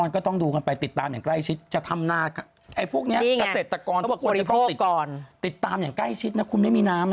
ก็นี่แต่ครั้งที่เราว่าเป็นใช่ไหม